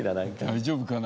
大丈夫かな？